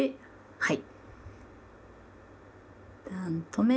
はい。